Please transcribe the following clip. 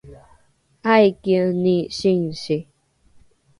aikieni singsi?